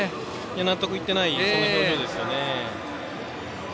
納得いっていない表情ですよね。